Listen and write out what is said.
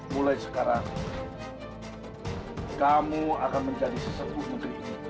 mulai sekarang kamu akan menjadi sesekutu diri